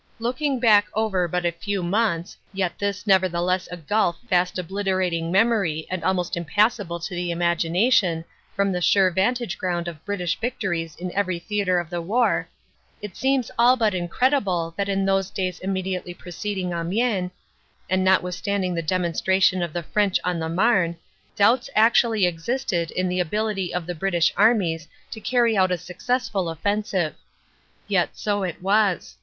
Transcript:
Looking back over but a few months yet this nevertheless a gulf fast obliterating memory and almost impassable to the imagination from the sure vantage ground of British vic tories in every theatre of the war, it seems all but incredible that in those days immediately preceding Amiens, and not withstanding the demonstration of the French on the Marne, doubts actually existed of the ability of the British armies to carry out a successful offensive. Yet so it was.